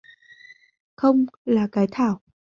không, là cái Thảo